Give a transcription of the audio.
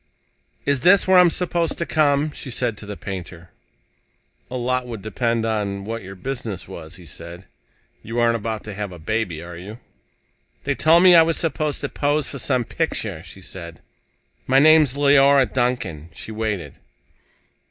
"Is this where I'm supposed to come?" she said to the painter. "A lot would depend on what your business was," he said. "You aren't about to have a baby, are you?" "They told me I was supposed to pose for some picture," she said. "My name's Leora Duncan." She waited.